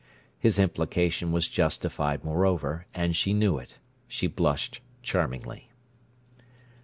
His implication was justified, moreover, and she knew it. She blushed charmingly.